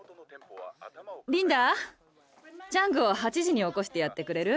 リンダチャングを８時におこしてやってくれる？